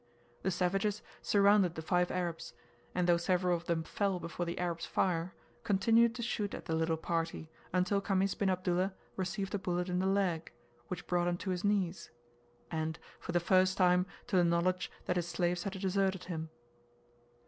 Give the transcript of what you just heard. The savages surrounded the five Arabs, and though several of them fell before the Arabs' fire, continued to shoot at the little party, until Khamis bin Abdullah received a bullet in the leg, which brought him to his knees, and, for the first time, to the knowledge that his slaves had deserted him.